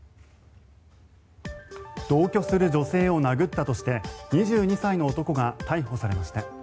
同居する女性を殴ったとして２２歳の男が逮捕されました。